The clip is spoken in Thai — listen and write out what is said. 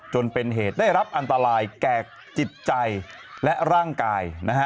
จนเป็นเหตุได้รับอันตรายแก่จิตใจและร่างกายนะฮะ